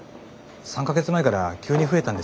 ３か月前から急に増えたんです。